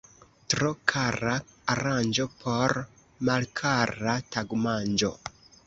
Tro kara aranĝo por malkara tagmanĝo.